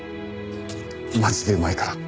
マジでうまいから。